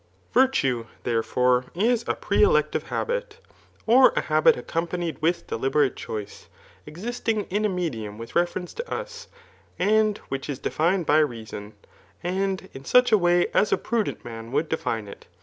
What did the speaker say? Virtue, thefefore, is a pre elective habit, [or a habit ac companied with deliberate choice] existing in a medium, with reference to us, and which is defined by reason, and in such a way as a^udent man would define it.